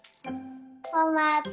トマト。